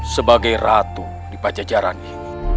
sebagai ratu di pajajaran ini